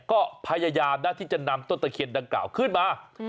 ก็พยายามนะที่จะนำต้นตะเคียนดังกล่าวขึ้นมา